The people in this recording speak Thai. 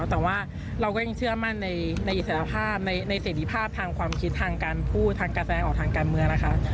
แต่ว่าเราก็ยังเชื่อมั่นในอิสรภาพในเสรีภาพทางความคิดทางการพูดทางการแสดงออกทางการเมืองนะคะ